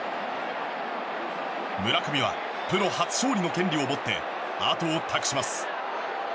村上はプロ初勝利の権利を持ってあとを託します。